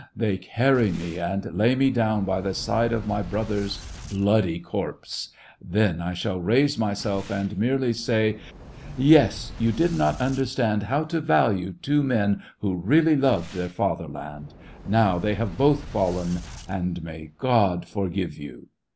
They carry me, and lay me down by the side of my brother's bloody corpse. Then I shall raise myself, and merely say : SEVASTOPOL IN AUGUST. 155 *Yes, you did not understand how to value two men who really loved their father land ; now they have both fallen, — and may God forgive you!